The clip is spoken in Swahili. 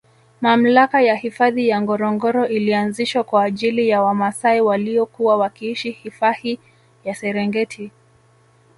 Mamlaka ya hifadhi ya Ngorongoro ilianzishwa kwaajili ya wamaasai waliokuwa wakiishi hifahi ya Serengeti